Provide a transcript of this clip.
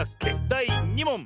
だい２もん。